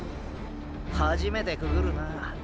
初めてくぐるな。